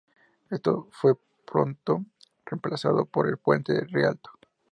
Esto fue pronto reemplazado por el puente de Rialto.